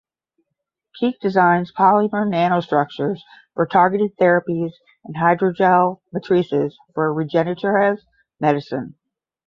Kiick designs polymer nanostructures for targeted therapies and hydrogel matrices for regenerative medicine.